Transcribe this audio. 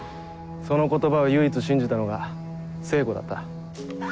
その言葉を唯一信じたのが聖子だった。